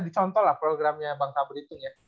dicontoh lah programnya bangka beli tuh ya